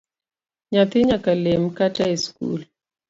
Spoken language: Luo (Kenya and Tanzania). Nyathi nyaka lem kata esikul